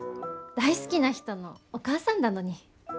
大好きな人のお母さんだのに。